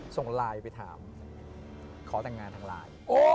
ส่งไลน์ไปถามขอแต่งงานทางไลน์